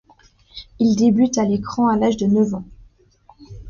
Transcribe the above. Il débute à l'écran à l'âge de neuf ans.